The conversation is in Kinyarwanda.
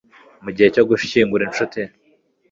mu gihe cyo gushyingura inshuti